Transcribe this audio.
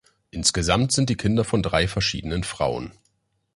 Insgesamt sind die Kinder von drei verschiedenen Frauen.